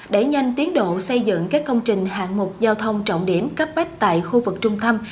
để nhanh tiến độ xây dựng các công trình hạng mục giao thông trọng điểm cấp bách tại khu vực trung tâm